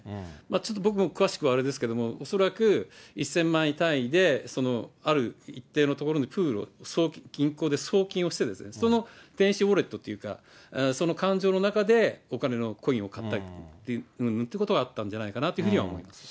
ちょっと、僕も詳しくはあれですけども、恐らく１０００万円単位で、ある一定のところにプール、銀行で送金をして、その電子ウォレットっていうか、その勘定の中で、お金の、コインを買ったりっていうことがあったんじゃないかなというふうには思います。